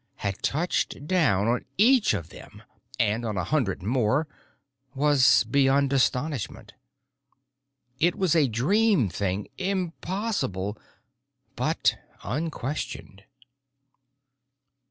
—had touched down on each of them, and on a hundred more, was beyond astonishment; it was a dream thing, impossible but unquestioned.